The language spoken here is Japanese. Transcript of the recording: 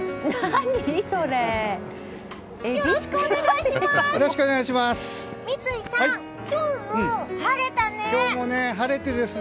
よろしくお願いします！